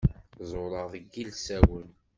Ẓewreɣ deg yilsawen.